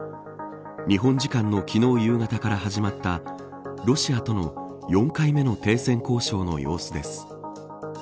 日本時間の昨日夕方から始まったロシアとの４回目の停戦交渉の様子です。